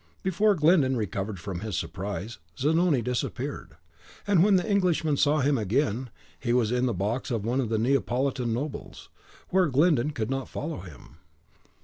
Before Glyndon recovered from his surprise, Zanoni disappeared; and when the Englishman saw him again, he was in the box of one of the Neapolitan nobles, where Glyndon could not follow him.